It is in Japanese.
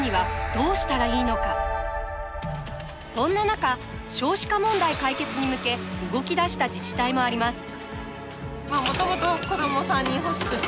そんな中少子化問題解決に向け動き出した自治体もあります